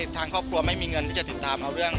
ทางครอบครัวไม่มีเงินที่จะติดตามเอาเรื่อง